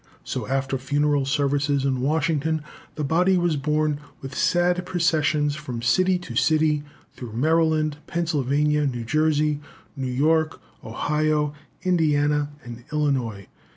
So, after funeral services in Washington, the body was borne with sad processions from city to city, through Maryland, Pennsylvania, New Jersey, New York, Ohio, Indiana, and Illinois.